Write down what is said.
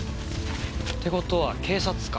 って事は警察官？